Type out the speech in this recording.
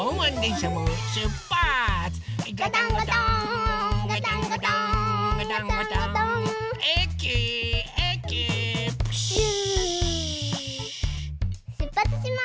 しゅっぱつします。